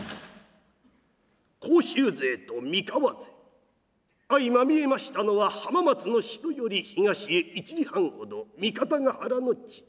甲州勢と三河勢相まみえましたのは浜松の宿より東へ１里半ほど三方ヶ原の地。